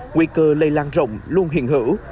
nguy cơ lây lan rộng luôn hiện hữu